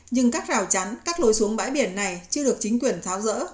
nhưng các rào chắn các lối xuống bãi biển này chưa được chính quyền tháo rỡ